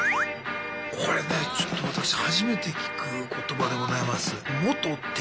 これねちょっと私初めて聞く言葉でございます。